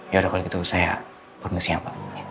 yaudah kalau gitu saya permisi ya mbak